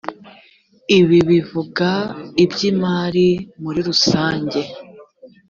ibi bivuga iby’imari muri rusange